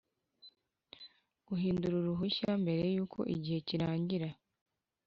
guhindura uruhushya mbere yuko igihe kirangira.